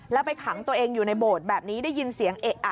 แล้วไปขังตัวเองอยู่ในโบสถ์แบบนี้ได้ยินเสียงเอะอะ